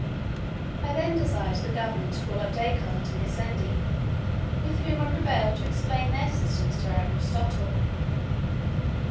I then desired the governor to call up Descartes and Gassendi, with whom I prevailed to explain their systems to Aristotle.